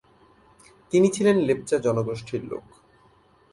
তিনি ছিলেন লেপচা জনগোষ্ঠীর লোক।